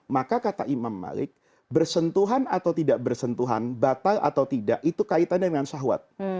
maka kata imam malik bersentuhan atau tidak bersentuhan batal atau tidak itu kaitannya dengan syahwat